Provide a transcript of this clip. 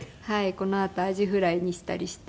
このあとアジフライにしたりして。